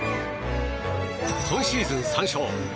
今シーズン３勝。